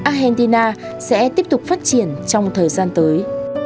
argentina sẽ tiếp tục phát triển trong thời gian tới